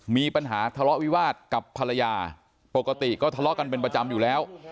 มีปัญหาทะเลาะวิวาสกับภรรยาปกติก็ทะเลาะกันเป็นประจำอยู่แล้ว